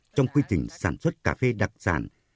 trong quy trình sản xuất cà phê đặc sản